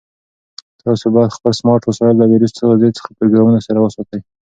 تاسو باید خپل سمارټ وسایل له ویروس ضد قوي پروګرامونو سره وساتئ.